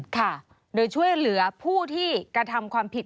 ค่ะโดยช่วยเหลือผู้ที่กระทำความผิด